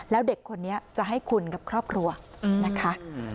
แล้วเด็กคนนี้จะให้คุณกับครอบครัวนะคะ